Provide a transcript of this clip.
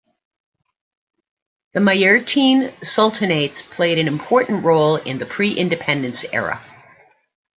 The Majeerteen Sultanates played an important role in the pre-independence era.